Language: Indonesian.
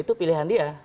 itu pilihan dia